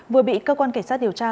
vừa bị cơ quan cảnh sát điều tra